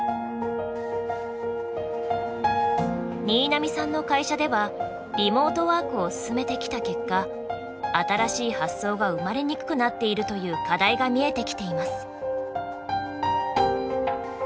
新浪さんの会社ではリモートワークを進めてきた結果新しい発想が生まれにくくなっているという課題が見えてきています。